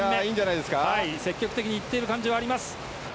積極的に行っている感じはあります。